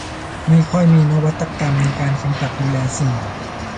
ไม่ค่อยมีนวัตกรรมในการกำกับดูแลสื่อ